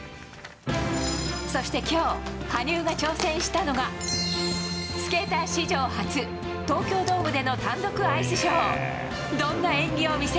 そしてきょう、羽生が挑戦したのが、スケーター史上初、東京ドームでの単独アイスショー。